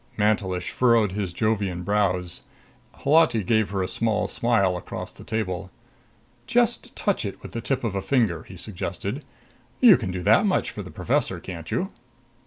Mantelish furrowed his Jovian brows. Holati gave her a small smile across the table. "Just touch it with the tip of a finger," he suggested. "You can do that much for the professor, can't you?"